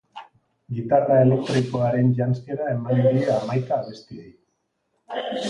Gitarra elektrikoaren janzkera eman die hamaika abestiei.